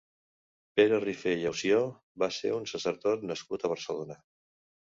Pere Rifé i Ausió va ser un sacerdot nascut a Barcelona.